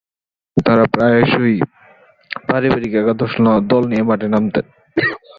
তারা প্রায়শঃই পারিবারিক একাদশ দল নিয়ে মাঠে নামতেন।